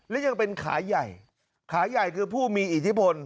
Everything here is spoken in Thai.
และยังเป็นขาใหญ่ขาใหญ่คือผู้มีอิทธิพล